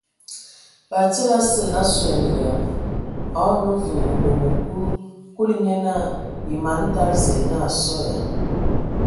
Batsidi ase a suan ya, a o nə vǝ o bomoŋ nkul. Kulu nye naa: Yǝ man tada Zǝə nyaa a sɔ ya ?.